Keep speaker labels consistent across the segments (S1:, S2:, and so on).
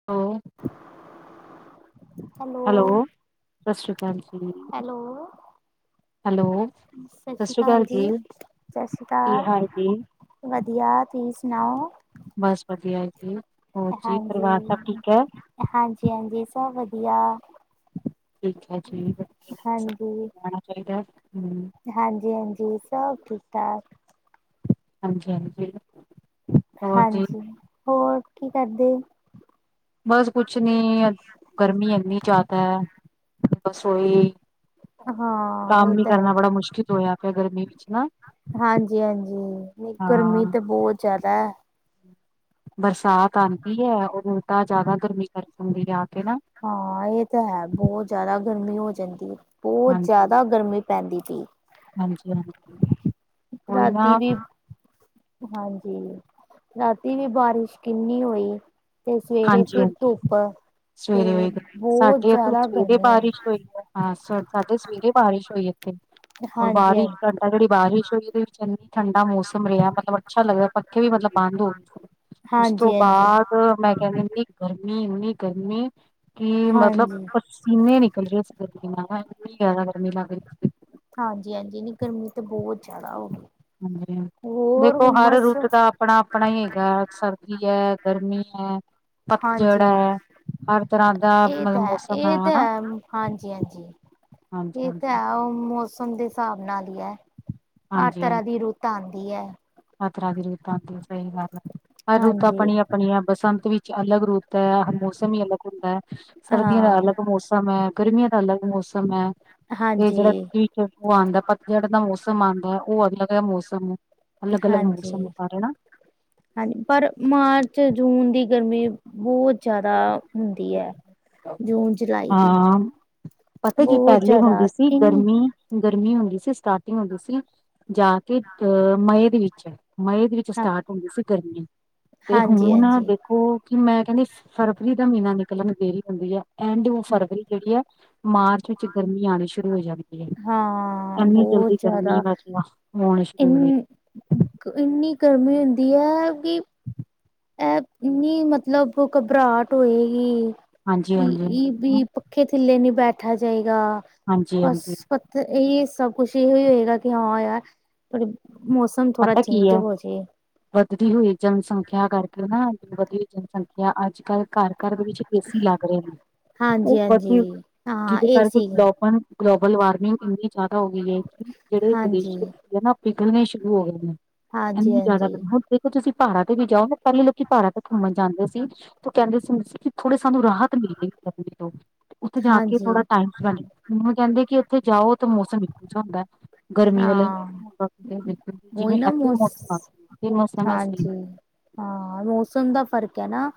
S1: [inaudible] Hello ਸਤਿ ਸ਼੍ਰੀ ਅਕਾਲ ਜੀ।
S2: ਹੈਲੋ
S1: ਹੈਲੋ ਸਤਿ ਸ਼੍ਰੀ ਅਕਾਲ ਜੀ
S2: ਸਤਿ ਸ਼੍ਰੀ
S1: ਕੀ
S2: ਅਕਾਲ,
S1: ਹਾਲ ਜੀ
S2: ਵਧੀਆ ਤੁਸੀਂ ਸੁਣਾਓ
S1: ਬਸ ਵਧੀਆ ਜੀ, ਹੋਰ ਜੀ
S2: ਹਾਂਜੀ,
S1: ਪਰਿਵਾਰ ਸਭ ਠੀਕ ਐ।
S2: ਹਾਂਜੀ- ਹਾਂਜੀ ਸਭ ਵਧੀਆ।
S1: ਠੀਕ ਹੈ ਜੀ
S2: ਹਾਂਜੀ।
S1: [inaudible] ਣਾ ਚਾਹੀਦਾ ਹੂੰ
S2: ਹਾਂਜੀ -ਹਾਂਜੀ, ਸਭ ਠੀਕ ਠਾਕ।
S1: ਹਾਂਜੀ- ਹਾਂਜੀ।
S2: ਹਾਂਜੀ, ਹੋਰ ਕੀ ਕਰਦੇ
S1: ਬਸ ਕੁਛ ਨੀ ਗਰਮੀ ਇੰਨੀ ਜ਼ਿਆਦਾ ਐ, ਰਸੋਈ [unintelligible]
S2: ਹਾਂ
S1: ਕੰਮ
S2: ਇਹ
S1: ਵੀ
S2: ਤਾਂ
S1: ਕਰਨਾ ਬੜਾ ਮੁਸ਼ਕਿਲ ਹੋਇਆ, ਫਿਰ ਗਰਮੀ ਵਿੱਚ ਨਾ।
S2: ਹਾਂਜੀ, ਹਾਂਜੀ ਗਰਮੀ
S1: ਹਾਂ
S2: ਤਾਂ ਬਹੁਤ ਜ਼ਿਆਦਾ ਐ।
S1: ਬਰਸਾਤ ਆਂਦੀ ਐ, ਔਰ ਉਲਟਾ ਜ਼ਿਆਦਾ ਗਰਮੀਂ ਕਰ ਜਾਂਦੀ ਐ, ਆ ਕੇ ਨਾ।
S2: ਹਾਂ ਇਹ ਤਾਂ ਹੈ, ਬਹੁਤ ਜ਼ਿਆਦਾ ਗਰਮੀਂ ਹੋ ਜਾਂਦੀ ਏ। ਬਹੁਤ ਜ਼ਿਆਦਾ ਗਰਮੀ ਪੈਂਦੀ ਪਈ,
S1: ਹਾਂਜੀ-ਹਾਂਜੀ-ਹਾਂਜੀ ਉਹੀ ਨਾ
S2: ਰਾਤੀ ਵੀ ਹਾਂਜੀ, ਰਾਤੀ ਵੀ ਬਾਰਿਸ਼ ਕਿੰਨੀ ਹੋਈ। ਤੇ ਸਵੇਰੇ ਫਿਰ
S1: ਹਾਂਜੀ-ਹਾਂਜੀ
S2: ਧੁੱਪ ਤੇ
S1: ਸਵੇਰੇ ਹੋਈ ਗਰਮੀ,
S2: ਬਹੁਤ
S1: ਸਾਡੇ ਇੱਥੇ
S2: ਜ਼ਿਆਦਾ
S1: ਸਵੇਰੇ
S2: ਗਰਮੀ ਹੁੰਦੀ।
S1: ਬਾਰਿਸ਼ ਹੋਈ ਹੈ। ਹਾਂ, ਸਾਡੇ ਸਵੇਰੇ ਬਾਰਿਸ਼ ਹੋਈ ਇੱਥੇ। ਹੋਰ
S2: ਹਾਂਜੀ
S1: ਬਾਰਿਸ਼ ਘੰਟਾ ਜਿਹੜੀ ਬਾਰਿਸ਼ ਹੋਈ, ਉਹਦੇ ਵਿੱਚ ਇੰਨਾ ਠੰਡਾ ਮੌਸਮ ਰਿਹਾ, ਮੱਤਲਬ ਅੱਛਾ ਲੱਗਦਾ ਫੇਰ ਮਤਲਬ ਬੰਦ ਹੋ ਗਈ, ਉਸ ਤੋਂ
S2: ਹਾਂਜੀ ਹਾਂਜੀ ਹਾਂਜੀ
S1: ਬਾਅਦ ਮੈਂ ਕਿਹਾ ਇੰਨੀ ਗਰਮੀ, ਇੰਨੀ ਗਰਮੀ ਕਿ ਮੱਤਲਬ
S2: ਹਾਂਜੀ
S1: ਪਸੀਨੇ ਨਿਕਲ ਰਹੇ ਸੀ ਗਰਮੀਂ ਨਾਲ, ਇੰਨੀ ਜ਼ਿਆਦਾ ਗਰਮੀਂ ਲੱਗ ਰਹੀ ਸੀ।
S2: ਹਾਂਜੀ -ਹਾਂਜੀ, ਨਹੀਂ ਗਰਮੀ ਤਾਂ ਬਹੁ ਜ਼ਿਆਦਾ ਹੋ ਗਈ।
S1: ਹਾਂਜੀ,
S2: ਹੋਰ
S1: ਦੇਖੋ ਹਰ
S2: ਹੁਮਸ
S1: ਰੁੱਤ ਦਾ ਆਪਣਾ- ਆਪਣਾ ਹੀ ਹੈਗਾ, ਸਰਦੀ ਐ, ਗਰਮੀ ਐ। ਪੱਤਝੜ
S2: ਹਾਂਜੀ
S1: ਐ, ਹਰ ਤਰ੍ਹਾਂ ਦਾ
S2: ਇਹ ਤਾਂ
S1: ਮਤਲਬ
S2: ਹੈ
S1: ਮੌਸਮ ਐ
S2: ਇਹ ਤਾਂ
S1: ਹਨਾ।
S2: ਹੈ ਹਾਂਜੀ ਹਾਂਜੀ
S1: ਹਾਂਜੀ
S2: ਇਹ ਤਾਂ
S1: ਹਾਂਜੀ।
S2: ਹੈ, ਉਹ ਮੌਸਮ ਦੇ ਹਿਸਾਬ ਨਾਲ ਹੀ ਐ, ਹਰ
S1: ਹਾਂਜੀ ਹਾਂਜੀ
S2: ਤਰ੍ਹਾਂ ਦੀ ਰੁੱਤ ਆਂਦੀ ਐ।
S1: ਹਰ ਤਰਾਂ ਦੀ ਰੁੱਤ ਆਂਦੀ, ਸਹੀ ਗੱਲ ਐ, ਹਰ ਰੁੱਤ
S2: ਹਾਂਜੀ
S1: ਆਪਣੀ ਆਪ ਆਪਣੀ ਆ ਬਸੰਤ ਵਿੱਚ ਅਲੱਗ ਰੁੱਤ ਐ, ਮੌਸਮ ਹੀ ਅਲੱਗ ਹੁੰਦਾ। ਸਰਦੀਆਂ ਦਾ ਅਲੱਗ
S2: ਹਾਂ
S1: ਮੌਸਮ ਐ, ਗਰਮੀਆਂ ਦਾ ਅਲੱਗ ਮੌਸਮ ਐ, ਤੇ ਜਿਹੜਾ
S2: ਹਾਂਜੀ
S1: ਫਿਰ ਉਹ ਆਂਦਾ ਪੱਤਝੜ ਦਾ ਮੌਸਮ ਆਂਦਾ, ਉਹ ਵਧੀਆ ਮੌਸਮ ਐ।
S2: ਹਾਂਜੀ -ਹਾਂਜੀ, ਪਰ ਮਾਰਚ, ਜੂਨ ਦੀ ਗਰਮੀ ਬਹੁਤ ਜ਼ਿਆਦਾ ਹੁੰਦੀ ਐ, ਜੂਨ, ਜੁਲਾਈ ਦੀ।
S1: ਹਾਂ ਪਤਾ ਕੀ
S2: ਬਹੁਤ
S1: ਪਹਿਲੇ
S2: ਜ਼ਿਆਦਾ
S1: ਹੁੰਦੀ ਸੀ
S2: ਤਿੰਨ
S1: ਗਰਮੀ ਗਰਮੀ ਹੁੰਦੀ ਸੀ, ਸਟਾਟਿੰਗ ਹੁੰਦੀ ਸੀ ਜਾ ਕੇ ਮਈ ਦੇ ਵਿੱਚ। ਮਈ ਦੇ ਵਿੱਚ
S2: ਹਾਂ
S1: ਸਟਾਰਟ ਹੁੰਦੀ ਸੀ ਗਰਮੀ, ਤੇ
S2: ਹਾਂਜੀ
S1: ਹੁਣ
S2: ਹਾਂਜੀ
S1: ਦੇਖੋ ਕਿ ਮੈਂ ਕਹਿੰਦੀ ਫਰਵਰੀ ਦਾ ਮਹੀਨਾ ਨਿਕਲਣ ਦੇਰੀ ਹੁੰਦੀ ਐ, ਐਂਡ ਉਹ ਫਰਵਰੀ ਜਿਹੜੀ ਐ ਮਾਰਚ ਵਿੱਚ ਗਰਮੀ ਆਣੀ ਸ਼ੁਰੂ ਹੋ ਜਾਣੀ।
S2: ਹਾਂ
S1: ਇੰਨੀ ਜਲਦੀ
S2: ਬਹੁਤ
S1: ਗਰਮੀ
S2: ਜ਼ਿਆਦਾ
S1: ਵਿਚ ਮੈ ਹੁਣ ਸ਼ੁਰੂ
S2: ਇਨ
S1: ਹੋ
S2: ਇੰਨੀ ਗਰਮੀ ਹੁੰਦੀ ਹੈ ਕਿ ਇੰਨੀ ਮਤਲਬ ਘਬਰਾਹਟ ਹੋਈ
S1: ਹਾਂਜੀ ਹਾਂਜੀ
S2: ਏ
S1: ਹਾਂਜੀ
S2: ਦੀ। ਪੱਖੇ ਥੱਲੇ ਨਹੀਂ ਬੈਠਾ ਜਾਏਗਾ,
S1: ਹਾਂਜੀ
S2: ਬਸ
S1: ਹਾਂਜੀ
S2: ਤੇ ਇਹੀ ਸਭ ਕੁਛ ਇਹੀ ਹੋਏਗਾ, ਕਿ ਹਾਂ ਯਾਰ ਥੋੜਾ ਮੌਸਮ ਥੋੜਾ
S1: ਪਤਾ ਕੀ
S2: ਚੇਂਜ
S1: ਐ।
S2: ਹੋ ਜੇ
S1: ਵਧਦੀ ਹੋਈ ਜਨ ਸੰਖਿਆ ਕਰਕੇ ਨਾ ਵਧੀ ਹੋਈ ਜਨ ਸੰਖਿਆ ਅੱਜ ਕੱਲ੍ਹ ਘਰ ਘਰ ਦੇ ਵਿੱਚ ਏਸੀ ਲੱਗ ਰਹੇ ਨੇ,
S2: ਹਾਂਜੀ
S1: ਉਹ ਬ
S2: ਹਾਂਜੀ ਹਾਂ
S1: ਜਿਹਦੇ ਕਰਕੇ
S2: ਏਸੀ
S1: ਪਾਂ ਗਲੋਬਲ ਵਾਰਮਿੰਗ ਇੰਨੀ ਜ਼ਿਆਦਾ ਹੋ ਗਈ ਐ, ਕਿ ਜਿਹੜੇ
S2: ਹਾਂਜੀ,
S1: ਗਲੇਸ਼ੀਅਰ ਸੀ ਨਾ ਪਿਘਲਣੇ ਸ਼ੁਰੂ ਹੋ ਗਏ ਨੇ।
S2: ਹਾਂਜੀ,
S1: ਇੰਨੀ ਜ਼ਿਆਦਾ
S2: ਹਾਂਜੀ,
S1: ਦੇਖੋ, ਹੁਣ ਦੇਖੋ ਤੁਸੀਂ ਪਹਾੜਾਂ ਤੇ ਵੀ ਜਾਓ ਨਾ ਪਹਿਲੇ ਲੋਕੀ ਪਹਾੜਾਂ ਤੇ ਘੁੰਮਣ ਜਾਂਦੇ ਸੀ। ਤੇ ਕਹਿੰਦੇ ਸੀ ਕਿ ਥੋੜੀ ਸਾਨੂੰ ਰਾਹਤ ਮਿਲਲੇਗੀ ਗਰਮੀ ਤੋਂ। ਉੱਥੇ ਜਾ ਕੇ
S2: ਹਾਂਜੀ
S1: ਥੋੜਾ ਟਾਈਮ ਸਪੈਂਡ ਕਰਨ ਨੂੰ ਉਹ ਕਹਿੰਦੇ, ਕਿ ਉੱਥੇ ਜਾਓ ਤਾਂ ਮੌਸਮ ਇੱਕੋ ਜਿਹਾ ਹੁੰਦਾ। ਗਰਮੀ ਵਾਲਾ
S2: ਹਾਂ
S1: ਮੌਸਮ ਹੁੰਦਾ ਸੀ,
S2: ਉਹੀ
S1: ਜਿਵੇਂ
S2: ਨਾ
S1: ਅੱਠ
S2: ਮੌਸ
S1: ਮੌਸਮ ਹੁੰਦੇ ਸੀ, ਉਹ ਮੌਸਮ ਅਸਲੀ ਹੁੰਦਾ
S2: ਹਾਂਜੀ
S1: ਸੀ।
S2: ਹਾਂ ਮੌਸਮ ਦਾ ਫਰਕ ਹੈ ਨਾ,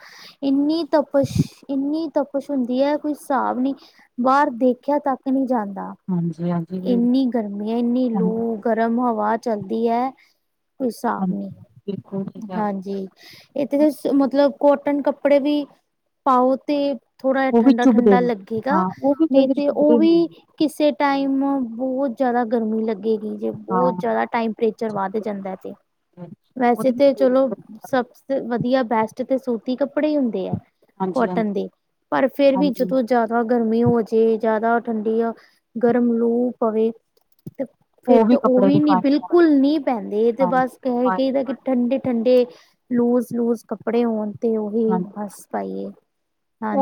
S2: ਇੰਨੀ ਤਪਸ਼ ਇੰਨੀ ਤਪ ਕੁਛ ਹੁੰਦੀ ਹੈ ਕੋਈ ਹਿਸਾਬ ਨੀ ਬਾਹਰ ਦੇਖਿਆ ਤੱਕ ਨਹੀਂ ਜਾਂਦਾ
S1: ਹਾਂਜੀ ਹਾਂਜੀ।
S2: ਇੰਨੀ ਗਰਮੀ ਇੰਨੀ
S1: ਹਾਂਜੀ
S2: ਲੂ ਗਰਮ ਹਵਾ ਚਲਦੀ ਹੈ ਕੋਈ ਹਿਸਾਬ ਨੀ,
S1: ਹਾਂਜੀ ਬਿਲਕੁਲ। ਠੀਕ ਕਹਿ ਰਹੇ
S2: ਹਾਂਜੀ ਇਥੇ
S1: ਹੋ।
S2: ਮਤਲਬ ਕੋਟਨ ਕੱਪੜੇ ਵੀ ਪਾਓ ਤੇ ਥੋੜਾ ਜਿਹਾ
S1: ਉਹ ਵੀ
S2: ਠੰਡਾ
S1: ਚੁਭਦੇ
S2: ਠੰਡਾ
S1: ਨੇ
S2: ਲੱਗੇਗਾ
S1: ਹਾਂ ਉਹ ਵੀ ਕਈ
S2: ਨਹੀਂ
S1: ਵਾਰੀ
S2: ਤੇ
S1: ਚੁਭਦੇ ਨੇ
S2: ਕਿਸੇ ਟਾਈਮ ਨੂੰ ਬਹੁਤ ਜਿਆਦਾ ਗਰਮੀ ਲੱਗੀ। ਜੇ ਬਹੁਤ
S1: ਹਾਂ
S2: ਜਿਆਦਾ ਟਾਈਮ ਪ੍ਰਿਚਰ ਵੱਧ ਜਾਂਦਾ ਸੀ ਵੈਸੇ
S1: ਉਹਦੇ ਵਿੱਚ
S2: ਤੇ
S1: ਕਈ ਵਾਰੀ
S2: ਚਲੋ
S1: ਗਰਮੀ ਲੱਗਦੀ।
S2: ਸਭ ਵਧੀਆ ਬੈਸਟ ਤੇ ਸੂਤੀ ਕੱਪੜੇ ਹੁੰਦੇ ਆ
S1: ਹਾਂਜੀ ਹਾਂਜੀ
S2: ਕੋਟਨ ਦੇ ਪਰ ਫੇਰ ਵੀ
S1: ਹਾਂਜੀ
S2: ਜਦੋਂ ਜਿਆਦਾ ਗਰਮੀ ਹੋ ਜੇ ਜਿਆਦਾ ਠੰਡੀਆਂ ਗਰਮ ਲੂ ਪਵੇ ਫੇਰ ਤੇ ਉਹ
S1: ਕੱਪੜੇ ਦੀ
S2: ਵੀ ਨੀ
S1: ਪਾਣੀ
S2: ਬਿਲਕੁਲ ਨਹੀ ਪੈਂਦੇ ਤੇ
S1: ਹਾਂਜੀ
S2: ਬਸ ਕਹੇ
S1: ਹਾਂਜੀ
S2: ਕਿ ਠੰਡੇ ਠੰਡੇ ਲੂਜ ਲੂਜ ਕੱਪੜੇ ਹੋਣ ਤੇ ਉਹੀ
S1: ਹਾਂਜੀ
S2: ਬੱਸ ਪਾਈਏ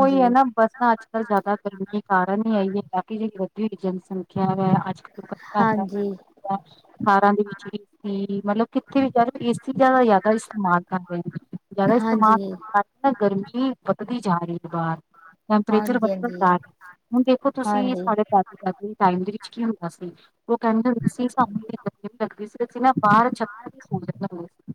S1: ਉਹੀ ਹੈ ਨਾ ਬਸ ਨਾ ਅੱਜ ਜ਼ਿਆਦਾ ਗਰਮੀ ਦੇ ਕਾਰਨ ਹੀ ਆਈ ਹੈ ਬਾਕੀ ਰੱਦੀ ਹੋਈ ਜਨਸੰਖਿਆ ਹੈ ਅੱਜ ਕੱਲ੍ਹ ਘਰ ਕਰ
S2: ਹਾਂਜੀ,
S1: ਕਾਰਾਂ ਦੀ ਵਿੱਚ ਚੀਜ਼ ਸੀ ਮਤਲਬ ਕਿੱਥੇ ਵੀ ਜਾ ਇਸ ਚੀਜ਼ਾਂ ਦਾ ਯਾਦ ਇਸਤੇਮਾਲ ਕਰ ਰਹੇ ਨੇ ਜ਼ਿਆਦਾ ਇਸਤੇਮਾਲ
S2: ਹਾਂਜੀ,
S1: ਕਰ ਨਾ ਗਰਮੀ ਵਧਦੀ ਜਾ ਰਹੀ ਹੈ ਬਾਹਰ ਟੈਂਪਰੇਚਰ
S2: ਹਾਂਜੀ,
S1: ਵਧੀਆ
S2: ਹਾਂਜੀ,
S1: ਜਾ ਰਿਹਾ ਹੁਣ ਦੇਖੋ ਤੁਸੀਂ
S2: ਹਾਂਜੀ।
S1: ਸਾਡੇ ਟਾਈਮ ਦੇ ਵਿੱਚ ਕੀ ਹੁੰਦਾ ਸੀ ਉਹ ਕਹਿੰਦੇ ਹੁੰਦੇ ਸੀ ਸਾਹਮਣੇ ਦਰਖਤ ਲੱਗੇ ਹ ਸੀ ਨਾ ਬਾਹਰ ਛੱਤਾਂ ਚ ਸੋਚਦੇ ਹੁੰਦੇ ਸੀ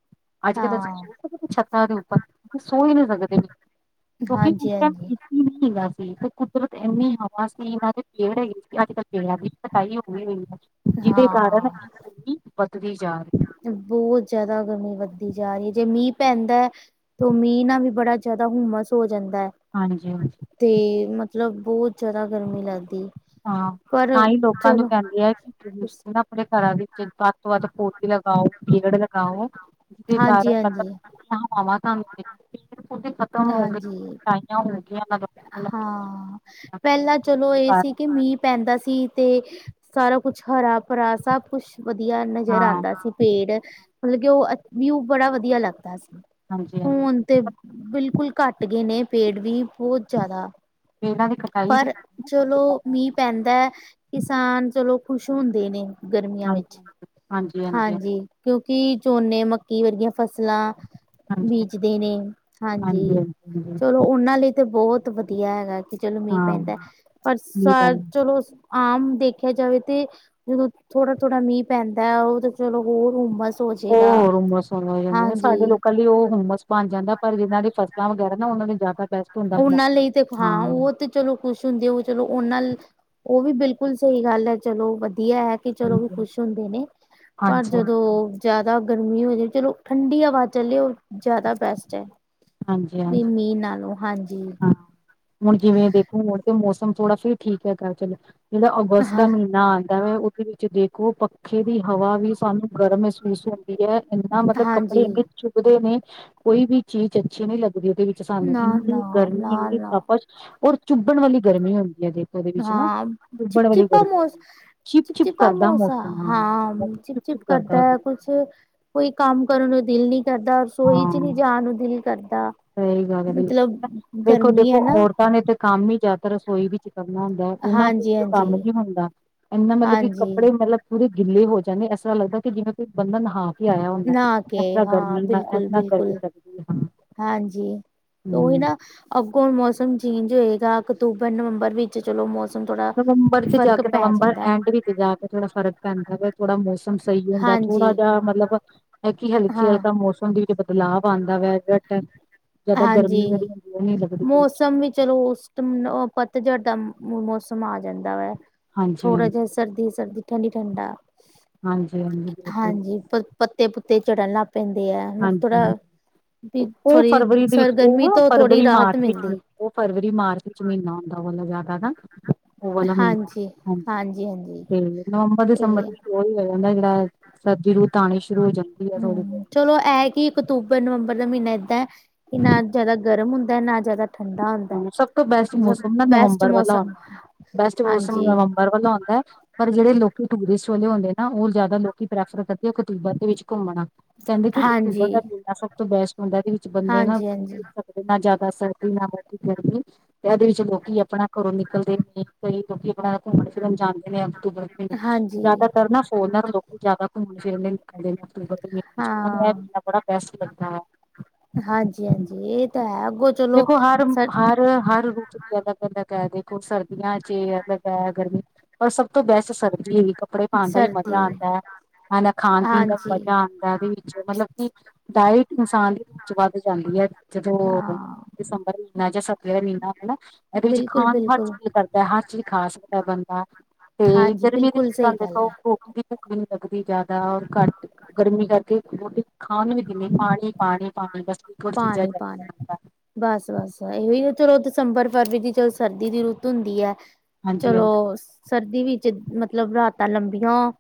S1: ਅੱਜ ਕੱਲ ਤਾਂ
S2: ਹਾਂ,
S1: ਅਸੀਂ ਸੋਚ ਸਕਦੇ ਛੱਤ ਦੇ ਉੱਪਰ ਸੋ ਹੀ ਨਹੀਂ ਸਕਦੇ ਕਿਉਂਕਿ
S2: ਹਾਂਜੀ, ਹਾਂਜੀ,
S1: ਕੀ ਨਹੀਂ ਹੈਗਾ ਸੀ ਤੇ ਕੁਦਰਤ ਇੰਨੀ ਹਵਾ ਸੀ ਇਹਨਾਂ ਦੇ ਪੇੜ ਹੈਗੀ ਸੀ ਅੱਜ ਕੱਲ ਪੇੜਾ ਵੀ ਕਟਾਈ ਹੋਈ ਹੋਈ ਹੈ ਜਿਹਦੇ ਕਾਰਨ
S2: ਹਾਂ।
S1: ਐਨੀ ਵਧਦੀ ਜਾ ਰਹੀ
S2: ਬਹੁਤ ਜਿਆਦਾ ਗਰਮੀ ਵੱਧਦੀ ਜਾ ਰਹੀ ਹੈ ਜੇ ਮੀਂਹ ਪੈਂਦਾ ਹੈ ਤ ਮੀਂਹ ਨਾ ਵੀ ਬੜਾ ਜਿਆਦਾ ਹੁਮਸ ਹੋ ਜਾਂਦਾ ਹੈ
S1: ਹਾਂਜੀ ਹਾਂਜੀ
S2: ਤੇ ਮਤਲਬ ਬਹੁਤ ਜ਼ਿਆਦਾ ਗਰਮੀ ਲੱਗਦੀ
S1: ਹਾਂ
S2: ਪਰ
S1: ਤਾਂ ਹੀ ਲੋਕਾਂ ਨੂੰ
S2: ਚਲੋ
S1: ਕਹਿੰਦੇ ਆ ਕਿ ਨਾ ਤੁਸੀਂ ਆਪਣੇ ਘਰਾਂ ਵਿੱਚ ਵੱਧ ਤੋਂ ਵੱਧ ਪੌਦੇ ਲਗਾਓ ਪੇੜ ਲਗਾਓ ਜਿਹਦੇ
S2: ਹਾਂਜੀ,
S1: ਕਾਰਨ
S2: ਹਾਂਜੀ,
S1: ਮਤਲਬ ਵਾਵਾਂ ਤੁਹ ਖਤਮ ਹੋ ਗਈ
S2: ਹਾਂਜੀ।
S1: ਕਟਾਈਆਂ ਹੋ ਗਈਆਂ ਮਤਲਬ
S2: ਹਾਂ ਪਹਿਲਾਂ ਚਲੋ ਇਹ ਸੀ
S1: ਕਾਰਨ
S2: ਕਿ ਮੀਂਹ ਪੈਂਦਾ ਸੀ ਤੇ ਸਾਰਾ ਕੁਝ ਹਰਾ ਭਰਾ ਸਭ ਕੁਝ ਵਧੀਆ ਨਜ਼ਰ
S1: ਹਾਂ
S2: ਆਉਂਦਾ ਸੀ ਫੇਰ ਮਤਲਬ ਕਿ ਉਹ ਨਿਊ ਬੜਾ ਵਧੀਆ ਲੱਗਦਾ ਸੀ।
S1: ਹਾਂਜੀ ਹਾਂਜੀ
S2: ਹੁਣ ਤੇ ਬਿਲਕੁਲ ਘੱਟ ਗਏ ਨੇ ਪੇੜ ਵੀ ਬਹੁਤ ਜਿਆਦਾ
S1: ਇਹਨਾਂ ਦੀ ਕਟਾਈ ਹੋ ਗਈ ਨਾ ਸਭ ਤੋਂ
S2: ਚਲੋ
S1: ਜ਼ਿਆਦਾ
S2: ਮੀਂਹ ਪੈਂਦਾ ਕਿਸਾਨ ਚਲੋ ਖੁਸ਼ ਹੁੰਦੇ ਨੇ
S1: ਹਾਂਜੀ
S2: ਹਾਂਜੀ ਫਸਲਾਂ
S1: ਹਾਂਜੀ
S2: ਬੀਜਦੇ ਨੇ ਹਾਂਜੀ ਚਲੋ ਉਹਨਾਂ ਲਈ ਤੇ ਵਧੀਆ ਹੈਗਾ ਕਿ ਚਲੋ ਮਈ
S1: ਹਾਂ
S2: ਪੈਂਦਾ
S1: ਠੀਕ ਗੱਲ
S2: ਪਰ ਆਮ ਦੇਖੇ ਜਾਵੇ ਤੇ ਥੋੜਾ ਥੋੜਾ ਨਹੀਂ ਪੈਂਦਾ ਉਹਦੇ ਕੋਲ ਹੋਰ ਹੋ
S1: ਓ
S2: ਜਾਏਗਾ
S1: ਹੋਰ ਹੁੰਮਸ ਹੋਣ ਲਗ ਜਾ਼ਦੀ ਨਾ, ਸਾਡੇ
S2: ਹਾਂਜੀ।
S1: ਲੋਕਾਂ ਲਈ ਉਹ ਹੁੰਮਸ ਬਣ ਜਾਂਦਾ ਪਰ ਜਿਹਨਾਂ ਦੀ ਫਸਲਾਂ ਵਗੈਰਾ ਨਾ ਉਹਨਾਂ ਦੀ ਜ਼ਿਆਦਾ ਬੈਸਟ ਹੁੰਦਾ ਹਾਂ
S2: ਉਹਨਾਂ ਲਈ ਤੇਖ ਹਾਂ ਉਹ ਤੇ ਚਲੋ ਖੁਸ਼ ਹੁੰਦੇ ਹੋ ਚਲੋ ਉਹ ਨਾਲ ਉਹ ਵੀ ਬਿਲਕੁਲ ਸਹੀ ਗੱਲ ਹੈ ਚਲੋ ਵਧੀਆ ਹੈ ਕਿ ਚਲੋ ਵੀ
S1: ਹਾਂਜੀ
S2: ਖੁਸ਼ ਹੁੰਦੇ ਨੇ ਪਰ
S1: ਹਾਂਜੀ
S2: ਜਦੋਂ ਜਿਆਦਾ ਗਰਮੀ ਹੋਜ ਚਲੋ ਠੰਡੀ ਆਵਾਜ਼ ਚਲੀ ਜਿਆਦਾ ਬੈਸਟ
S1: ਹਾਂਜੀ
S2: ਵੀ
S1: ਹਾਂਜੀ
S2: ਮੀਂਹ ਨਾਲੋਂ ਹਾਂਜੀ
S1: ਹਾਂ ਹੁਣ ਜਿਵੇਂ ਦੇਖੋ ਹੁਣ ਤੇ ਮੌਸਮ ਥੋੜਾ ਸ ਠੀਕ ਹ ਚਲੋ ਜਿਹੜਾ ਅਗਸਤ
S2: ਹਾਂ
S1: ਦਾ ਮਹੀਨਾ ਆਉਂਦਾ ਮੈਂ ਦੇ ਵਿੱਚ ਦੇਖੋ ਪੱਖੇ ਦੀ ਹਵਾ ਵੀ ਸਾਨੂੰ ਗਰਮ ਮਹਿਸੂਸ ਹੁੰਦੀ ਐ। ਇੰਨਾ ਮਤਲਬ, ਕੱਪੜੇ
S2: ਹਾਂਜੀ।
S1: ਇੰਨੇ ਛੁੱਟਦੇ ਨੇ। ਕੋਈ ਵੀ ਚੀਜ਼ ਅੱਛੀ ਨਹੀਂ ਲੱਗਦੀ ਇਹਦੇ ਵਿੱਚ ਸਾਨੂੰ।
S2: ਨਾ
S1: ਇੰਨੀ
S2: ਨਾ
S1: ਗਰਮੀ,
S2: ਨਾ
S1: ਇੰਨੀ
S2: ਨਾ
S1: ਤਪਛ ਔਰ ਚੁਬਣ ਵਾਲੀ ਗਰਮੀ ਹੁੰਦੀ ਆ ਦੇ
S2: ਹਾਂ, ਚਿਪਚਿਪਾ ਮੌਸ
S1: ਹੁੰਦੀ ਚਿਪ ਚਿਪ
S2: ਚਿਪਾਚਿਪਾ
S1: ਕਰਦਾ
S2: ਮੋਸਾ,
S1: ਮੌਸਮ
S2: ਹਾਂ।
S1: ਮੌਸਮ
S2: ਚਿਪ ਚਿਪ ਕਰਦਾ
S1: ਉਹਦੇ
S2: ਐ
S1: ਵਿੱਚ,
S2: ਕੁਛ ਫੇਰ, ਕੋਈ ਕੰਮ ਕਰਨ ਨੂੰ ਦਿਲ ਨੀ ਕਰਦਾ। ਰਸੋਈ ਚ ਨੀ ਜਾਣ ਨੂੰ ਦਿਲ ਕਰਦਾ।
S1: ਸਈ ਗੱਲ ਐ
S2: ਮਤਲਬ
S1: ਬਿਲਕੁਲ। ਵੇਖੋ
S2: ਗਰਮੀ ਹੈ
S1: ਦੇਖੋ
S2: ਨਾ
S1: ਔਰਤਾਂ ਨੇ ਤੇ ਕੰਮ ਈ ਜਾਦਾ ਰਸੋਈ ਵਿੱਚ ਕਰਨਾ ਹੁੰ ਦਾ ਐ। ਓਹਨਾ
S2: ਹਾਂਜੀ
S1: ਕੋਲੋ
S2: ਹਾਂਜੀ
S1: ਕੰਮ ਨੀ ਹੁੰਦਾ ਇੰਨਾ ਮਤਲਬ ਕਿ
S2: ਹਾਂਜੀ
S1: ਕੱਪੜੇ ਮਤਲਬ ਪੂਰੇ ਗਿੱਲੇ ਹੋ ਜਾਂਦੇ, ਏਸ ਤਰਾਂ ਲੱਗਦਾ ਕਿ ਜਿਵੇਂ ਕੋਈ ਬੰਧਨ ਹਾਂ ਕੀ ਆਇਆ ਹੁੰਦਾ।
S2: ਨਹਾ
S1: ਇਸ
S2: ਕੇ
S1: ਤਰਾਂ
S2: ਹਾਂ
S1: ਗਰਮੀ ਨਾਲ ਇਸ
S2: ਬਿਲਕੁਲ
S1: ਤਰਾਂ
S2: ਬਿਲਕੁਲ
S1: ਗਰਮੀ ਲਗਦੀ ਐ ਹਾਂ।
S2: ਹਾਂਜੀ। ਉਹੀ
S1: ਹਮ
S2: ਨਾ, ਅੱਗੋਂ ਹੁਣ ਮੌਸਮ ਚੇਂਜ ਹੋਏਗਾ ਅਕਤੂਬਰ ਨਵੰਬਰ ਵਿੱ ਚ, ਚਲੋ ਮੌਸਮ ਥੋੜਾ
S1: ਨਵੰਬਰ ਚ ਜਾ
S2: ਫ਼ਰਕ
S1: ਕੇ,
S2: ਪੈ
S1: ਨਵੰਬਰ
S2: ਜਾਂਦਾ ਹੈ।
S1: ਐਂਡ ਵਿੱਚ ਜਾ ਕੇ ਥੋੜਾ ਫਰਕ ਪੈਂਦਾ ਵੈ, ਥੋੜਾ ਮੌਸ ਮ ਸਹੀ ਹੁੰਦਾ,
S2: ਹਾਂਜੀ
S1: ਥੋੜਾ ਜਿਹਾ ਮਤਲਬ, ਐ ਕੀ ਹਲਕੀ
S2: ਹਾਂ
S1: ਹਲਕਾ ਮੌਸਮ ਦੀ ਬਦਲਾਵ ਆਂਦਾ ਵੈਆ ਐ, ਬਟ ਜਿਆਦਾ ਗਰਮੀ
S2: ਹਾਂਜੀ
S1: ਬੜੀ ਹੁੰਦੀ, ਓ ਨੀ ਲੱਗਦੀ ਓਦੇ ਵਿੱਚ।
S2: ਮੌਸਮ ਵੀ ਚਲੋ ਉਸ ਟਮ-ਅ ਪਤਝੜ ਦਾ ਮੌਸਮ ਆ ਜਾਂਦਾ ਵੈ। ਥੋੜਾ
S1: ਹਾਂਜੀ
S2: ਜਿਆ ਸਰਦੀ ਸਰਦੀ, ਠੰਡੀ ਠੰਡਾ।
S1: ਹਾਂਜੀ ਹਾਂਜੀ ਬਿਲਕੁਲ
S2: ਹਾਂਜੀ ਪਤ ਪੱਤੇ ਪੁੱਤੇ ਚੜਨ ਲੱਗ ਪੈਂਦੇ ਆ।
S1: ਹਾਂਜੀ
S2: ਮਤ-ਥੋੜਾ, ਵੀ
S1: ਉਹ
S2: ਥੋੜੀ
S1: ਫਰਵਰੀ ਦੇ
S2: ਸਰ
S1: ਵਿੱਚ ਉਹ
S2: ਗਰਮੀ
S1: ਨਾ
S2: ਤੋਂ ਥੋੜੀ
S1: ਫਰਵਰੀ
S2: ਰਾਹਤ‌
S1: ਮਾਰਚ ਵਿੱਚ
S2: ਮਿਲਦੀ।
S1: ਉਹ ਫਰਵਰੀ ਮਾਰਚ ਵਿੱਚ ਮਹੀਨਾ ਹੁੰਦਾ, ਬੋਲੋ ਜਿਆਦਾ ਨਾ ਉਹ ਵਾਲਾ ਮੀਨਾ,
S2: ਹਾਂਜੀ।
S1: ਹਾਂਜੀ।
S2: ਹਾਂਜੀ
S1: ਤੇ ਨਵੰਬਰ ਦਸੰਬਰ
S2: ਇਹ
S1: ਵੀ [unintelligible] ਸਰਦੀ ਰੁੱਤ ਆਣੀ ਸ਼ੁਰੂ ਹੋ ਜਾਂਦੀ ਐ ਬਸ ਓਦੋਂ ਤੋਂ
S2: ਹੂੰ ਚਲੋ ਐਹ ਐ ਕੀ ਅਕਤੂਬਰ ਨਵੰਬਰ ਦਾ ਮਹੀਨਾ ਏਦਾਂ ਐ, ਵੀ ਨਾ ਜਾਦਾ ਗਰਮ ਹੁੰਦੈ, ਨਾ ਜਿਆਦਾ ਠੰਡਾ ਹੁੰ
S1: ਹਮ ਸਭ ਤੋਂ ਬੈਸਟ ਮੌਸਮ ਨਾ ਨਵੰਬਰ ਵਾਲਾ
S2: ਮੌਸਮ
S1: ਹੋਂਦਾ ਐ। ਬੈਸਟ ਮੌਸਮ
S2: ਹਾਂਜੀ।
S1: ਨਵੰਬਰ ਵਾਲਾ ਹੋਂਦਾ ਐ। ਪਰ ਜਿਹੜੇ ਲੋਕੀ ਟੂਰੀਸ ਵਾਲੇ ਹੋਂਦੇ ਨਾ, ਓ ਜਾਦਾ ਲੋਕੀ ਪ੍ਰੈਫਰ ਕਰਦੇ ਐ, ਅਕਤੂਬਰ ਦੇ ਵਿੱਚ ਘੁੰਮਣਾ। ਕਹਿੰਦੇ ਕਿ ਅਕਤੂਬਰ
S2: ਹਾਂਜੀ
S1: ਦਾ ਮੀਨਾ, ਸਭ ਤੋਂ ਬੈਸਟ ਹੁੰਦਾ। ਇਹਦੇ ਵਿੱਚ ਬੰਦੇ ਨਾ
S2: ਹਾਂਜੀ ਹਾਂਜੀ
S1: [unintelligible] ਨਾ ਜਾਦਾ ਸਰਦੀ ਨਾ ਮੋ ਹੀ ਗਰਮੀ। ਐਦੇ ਵਿੱਚ ਲੋਕੀ ਆਪਣਾ ਘਰੋਂ ਨਿਕਲਦੇ ਨੇ। ਕਈ ਲੋਕੀਂ ਆਪਣਾ ਘੁੰਮਣ ਫਿਰਨ ਜਾਂ ਦੇ ਆ ਅਕਤੂਬਰ [unintelligible]
S2: ਹਾਂਜੀ
S1: ਜਿਆਦਾਤਰ ਨਾ ਫੋਰਨਾ ਦੇ ਲੋਕੀ ਜ਼ਿਆਦਾ ਘੁੰਮਣ ਫਿਰਨ ਦੇ ਨੇ
S2: ਹਾਂ।
S1: [unintelligible] ਬੜਾ ਬੈਸਟ ਲੱਗਾ
S2: ਹਾਂਜੀ ਹਾਂਜੀ। ਏ ਤਾਂ ਹੈ, ਅੱਗੋਂ ਚਲੋ ਸਰ
S1: ਹਣ ਹਰ ਰੁੱਤ ਦੀ ਅਲੱਗ ਅਲੱਗ ਐ। ਦੇਖੋ ਸਰਦੀਆਂ ਚ ਅਲੱਗ ਐ, ਗਰਮੀ ਪਰ ਸਭ ਤੋਂ ਬੈਸਟ ਸਰਦੀ ਈ ਕੱਪੜੇ ਪਾਣ ਦਾ ਈ ਮਜ਼ਾ
S2: ਸਰਦੀ
S1: ਆਂਦਾ ਐ। ਹਨਾ ਖਾਣ ਪੀਣ ਦਾ ਵੀ
S2: ਹਾਂਜੀ
S1: ਮਜ਼ਾ ਆਂਦਾ ਐ ਵੀ, ਚ ਮਤਲਬ ਕਿ ਡਾਇਟ ਇਨਸਾਨ ਦੇ ਵਿੱਚ ਵੱਧ ਜਾਂਦੀ ਐ, ਜਦੋਂ
S2: ਹਾਂ
S1: ਦਸੰਬਰ ਮੀ ਨਾ ਜਾ ਸਰਦੀ ਆਲਾ ਮੀਨਾ ਹਨਾ, ਇਹਦੇ ਵਿੱਚ
S2: ਬਿਲਕੁਲ
S1: ਖਾਣ ਨੂੰ ਹਰ
S2: ਬਿਲਕੁਲ
S1: ਚੀਜ਼ ਕਰਦਾ ਐ, ਹਰ ਚੀਜ਼ ਖਾ ਸਕਦੈ ਬੰਦਾ ਤੇ
S2: ਹਾਂਜੀ
S1: ਗਰਮੀਆਂ ਦੇ
S2: ਬਿਲਕੁਲ
S1: ਵਿੱਚ
S2: ਸਹੀ
S1: ਤਾਂ
S2: ਗੱਲ
S1: ਦੇਖੋ
S2: ਹੈ
S1: ਓ ਵੀ ਭੁੱਖ ਵੀ ਨੀ ਲੱਗਦੀ ਜਾਦਾ, ਘੱਟ, ਗਰਮੀ ਕਰਕੇ ਰੋਟੀ ਖਾਂਣ ਨੂੰ ਵੀ ਜੀ ਨੀ, ਪਾਣੀ ਪਾਣੀ ਪਾਣੀ ਬਸ। ਇੱਕੋ ਚੀਜ਼ਾਂ
S2: ਪਾਣੀ
S1: ਚਾਹੀਦਾ
S2: ਪਾਣੀ।
S1: ਹੁੰਦਾ।
S2: ਬਸ ਬਸ, ਇਹੋ ਈ ਐ। ਚਲੋ ਦਸੰਬਰ ਫਰਵਰੀ ਚ ਜਦ ਸਰਦੀ ਦੀ ਰੁੱਤ ਹੁੰਦੀ ਐ
S1: ਹਾਂਜੀ
S2: ਚਲੋ
S1: ਹਾਂਜੀ
S2: ਸਰਦੀ ਵਿੱਚ ਮਤਲਬ ਰਾਤਾਂ ਲੰਬੀਆਂ ਓ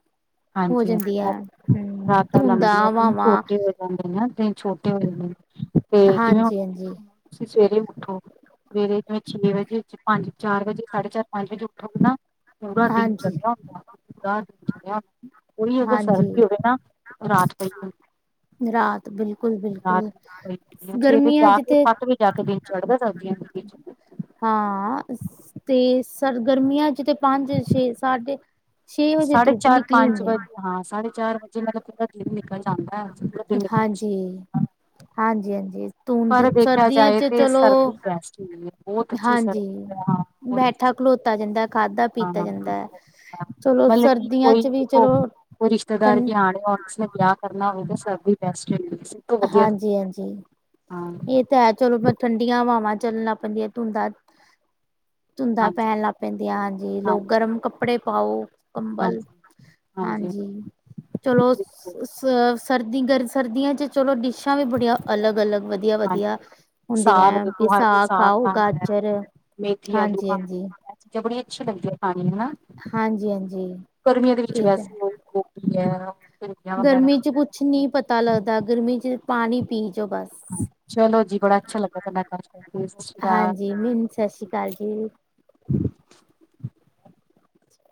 S1: ਹਾਂਜੀ ਹਾਂਜੀ ਰਾਤਾਂ
S2: ਧੂੰਦਾਂ
S1: ਲੰਬੀਆਂ, ਦਿਨ
S2: ਹਵਾਵਾਂ
S1: ਛੋਟੇ ਹੋ ਹੋਂਦੇ ਨਾ, ਦਿਨ ਛੋਟੇ ਹੋ ਜਾਂਦੇ ਨੇ। ਤੇ ਜਿਵੇਂ
S2: ਹਾਂਜੀ
S1: ਹੁਣ
S2: ਹਾਂਜੀ
S1: ਤੁਸੀਂ ਸਵੇਰੇ ਉੱਠੋ ਨੇਰੇ ਵਿੱਚ ਛੇ ਵਜੇ-ਪੰਜ-ਚਾਰ ਵਜੇ ਸਾਢੇ ਚਾਰ ਪੰਜ ਵਜੇ ਉਠੋਗੇ ਨਾ ਪੂਰਾ ਦਿਨ
S2: ਹਾਂਜੀ
S1: ਚੜਿਆ ਹੁੰਦਾ, ਪੂਰਾ ਦਿਨ ਚੜਿਆ ਹੁੰਦਾ। ਓ ਈ ਅਗਰ ਸਰਦੀ ਹੋਵੇ
S2: ਹਾਂਜੀ
S1: ਨਾ, ਰਾਤ ਪਈ ਹੁੰਦੀ।
S2: ਰਾਤ ਬਿਲਕੁਲ
S1: ਰਾਤ
S2: ਬਿਲਕੁਲ।
S1: ਪਈ ਹੁੰਦੀ ਹੈ। ਸਵੇਰੇ
S2: ਗਰਮੀਆਂ
S1: ਜਾ
S2: ਚ
S1: ਕੇ
S2: ਤੇ
S1: ਸੱਤ ਵਜੇ ਜਾ ਕੇ ਦਿਨ ਚੜਦਾ ਸਬਜ਼ੀਆਂ
S2: ਹਾਂ ਤੇ ਸਰਗਰਮੀਆਂ ਚ ਤੇ ਪੰਜ ਛੇ ਸਾਢੇ ਛੇ ਵਜੇ
S1: ਸਾਢੇ
S2: ਧੁੱਪ
S1: ਚਾਰ
S2: ਨਿਕਲੀ
S1: ਪੰਜ
S2: ਹੁੰਦੀ ਹੈ
S1: ਵਜੇ ਹਾਂ ਸਾਢੇ ਚਾਰ ਵਜੇ ਮਤਲਬ ਪੂਰਾ ਨਿਕਲ ਜਾਂਦਾ ਪੂਰਾ ਦਿਲ
S2: ਹਾਂਜੀ
S1: ਸ਼ੁਰ
S2: ਹਾਂਜੀ ਹਾਂਜੀ ਧੁੰਦ
S1: ਪਰ ਦੇਖਿਆ
S2: ਸਰਦੀਆਂ
S1: ਜਾਏ
S2: ਚ
S1: ਤੇ
S2: ਚਲੋ
S1: ਸਰਦੀ ਬੈਸਟ ਹਈ ਹੈ ਬਹੁਤ ਅੱਛੀ
S2: ਹਾਂਜੀ
S1: ਸਰਦੀ ਹੈ ਹਾਂ ਉਹ
S2: ਬੈਠਾ ਖਲੋਤਾ ਜਾਂਦਾ ਹੈ ਖਾਧਾ ਪੀਤਾ ਜਾਂਦਾ ਹੈ ਚਲੋ
S1: ਮਤਲਬ ਕੀ
S2: ਸਰਦੀਆਂ
S1: ਕੋਈ
S2: ਚ ਵੀ
S1: ਦੇਖੋ
S2: ਚਲੋ
S1: ਕੋਈ ਰਿਸ਼ਤੇਦਾਰ
S2: ਠੰ
S1: ਕੀ ਆਣੇ ਆਉਣ ਉਸਨੇ ਵਿਆਹ ਕਰਨਾ ਹੋਵੇ ਤਾਂ ਸਰਦੀ ਬੈਸਟ ਰੁੰਦੀ
S2: ਹਾਂਜੀ ਹਾਂਜੀ ਇਹ ਤਾਂ ਹੈ ਚਲੋ ਮੈਂ ਠੰਡੀਆਂ ਹਵਾਵਾਂ ਚੱਲਣਾ ਪੈਂਦੀਆਂ ਧੂੰਦਾਂ ਧੁੰਦਾਂ
S1: ਹਾਂਜੀ
S2: ਪੈਣ ਲੱਗ ਪੈਂਦੀਆਂ ਹਾਂਜੀ ਲੋ ਗਰਮ ਕੱਪੜੇ ਪਾਓ ਕੰਬਲ
S1: ਹਾਂਜੀ
S2: ਹਾਂਜੀ ਚਲੋ ਅ ਸਰਦੀ ਗਰ ਸਰਦੀਆਂ ਚ ਚਲੋ ਡਿਸ਼ਾਂ ਵੀ ਬੜੀਆਂ ਅਲੱਗ ਅਲੱਗ ਵਧੀਆ ਵਧੀਆ
S1: ਹਾਂਜੀ
S2: ਵਧੀਆ ਹੁੰਦੀਆਂ
S1: ਸਾਗ
S2: ਹੈ ਵੀ
S1: ਦੇਖੋ ਹਰ ਕੋਈ
S2: ਸਾਗ ਖਾਓ
S1: ਖਾਂਦਾ ਹੈ,
S2: ਗਾਜਰ
S1: ਮੇਥੀ ਆਲੂ
S2: ਹਾਂਜੀ
S1: ਖਾਂਦੇ
S2: ਹਾਂਜੀ
S1: ਇਹ ਚੀਜ਼ਾਂ ਬੜੀ ਅੱਛੀਆਂ ਲੱਗਦੀਆਂ ਖਾਣੀ ਹਨਾ
S2: ਹਾਂਜੀ ਹਾਂਜੀ
S1: ਗਰਮੀਆਂ ਦੇ ਵਿੱਚ
S2: ਇਹ ਤਾਂ
S1: ਵੈਸੇ ਉਹੀ ਗੋਭੀ ਹੈ ਭਿੰਡੀਆਂ
S2: ਗਰਮੀ ਚ ਕੁ
S1: ਵਗੈਰਾ
S2: ਕੁਛ ਨਹੀਂ ਪਤਾ ਲੱਗਦਾ ਗਰਮੀ 'ਚ ਪਾਣੀ ਪੀ ਜਾਓ ਬਸ
S1: ਚਲੋ ਜੀ ਬੜਾ ਅੱਛਾ ਲੱਗਾ ਤੁਡ ਸਤਿ ਸ਼੍ਰੀ ਅਕਾਲ
S2: ਮਨ ਸਤਿ ਸ਼੍ਰੀ ਅਕਾਲ [inaudible]